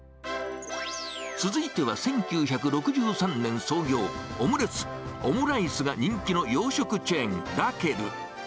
続いては、１９６３年創業、オムレツ、オムライスが人気の洋食チェーン、ラケル。